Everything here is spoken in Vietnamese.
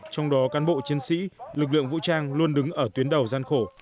trong đó cán bộ chiến sĩ lực lượng vũ trang luôn đứng ở tuyến đầu gian khổ